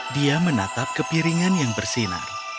dia menatap ke piringan yang bersinar